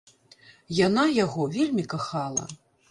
Яна яго вельмі кахала.